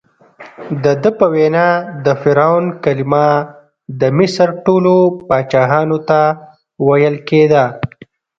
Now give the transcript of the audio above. دده په وینا د فرعون کلمه د مصر ټولو پاچاهانو ته ویل کېده.